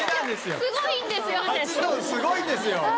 すごいんですよ。